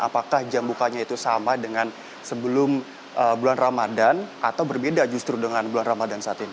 apakah jam bukanya itu sama dengan sebelum bulan ramadan atau berbeda justru dengan bulan ramadan saat ini